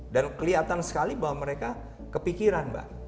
dan kelihatan sekali bahwa mereka kepikiran mbak